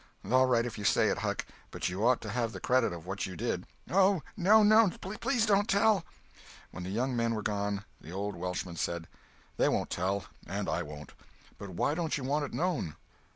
"All right if you say it, Huck, but you ought to have the credit of what you did." "Oh no, no! Please don't tell!" When the young men were gone, the old Welshman said: "They won't tell—and I won't. But why don't you want it known?"